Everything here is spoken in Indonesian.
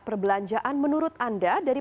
perbelanjaan menurut anda dari